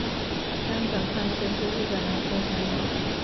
冈本宽志是日本男性声优。